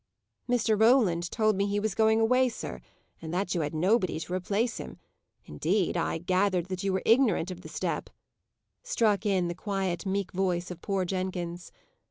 "Mr. Roland told me he was going away, sir, and that you had nobody to replace him; indeed, I gathered that you were ignorant of the step," struck in the quiet, meek voice of poor Jenkins.